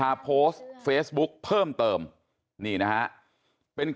ลาออกจากหัวหน้าพรรคเพื่อไทยอย่างเดียวเนี่ย